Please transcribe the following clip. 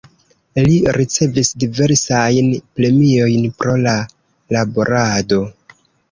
Li ricevis diversajn premiojn pro la laborado.